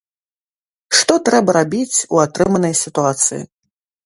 Што трэба рабіць у атрыманай сітуацыі?